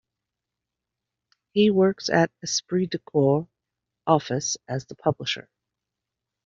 He works at Esprit de Corps office as the publisher.